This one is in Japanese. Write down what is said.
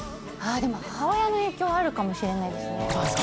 でも母親の影響あるかもしれないですね。